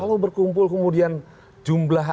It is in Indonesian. kalau berkumpul kemudian jumlah